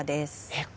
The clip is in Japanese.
えっ？